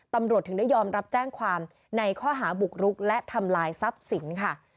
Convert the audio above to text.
ตำรวจถึงได้ยอมรับแจ้งความในข้อหาบุกรุกและทำลายทรัพย์สินค่ะ